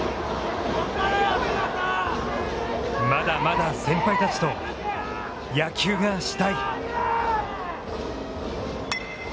まだまだ先輩たちと野球がしたい。